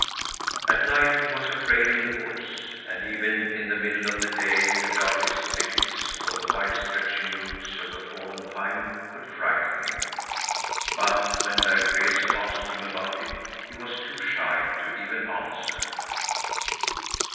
At night he was afraid in the woods, and even in the middle of the day the darkest thickets or the wide stretching roots of a fallen pine could frighten him. But when Berg Rese asked him about it, he was too shy to even answer.